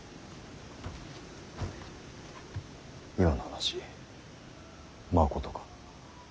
今の話まことか。